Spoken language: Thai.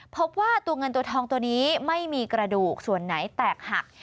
พบว่าตัวเงินตัวทองตัวนี้ไม่มีกระดูกส่วนไหนแตกหัก